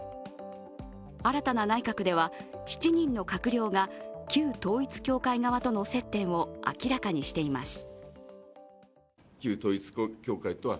新たな内閣では、７人の閣僚が旧統一教会側との接点を明らかにしています。